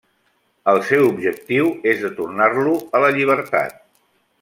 El seu objectiu és de tornar-lo a la llibertat.